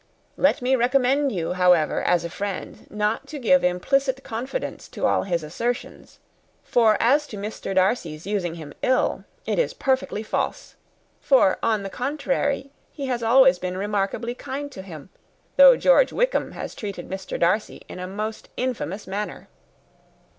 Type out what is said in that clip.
Let me recommend you, however, as a friend, not to give implicit confidence to all his assertions; for, as to Mr. Darcy's using him ill, it is perfectly false: for, on the contrary, he has been always remarkably kind to him, though George Wickham has treated Mr. Darcy in a most infamous manner.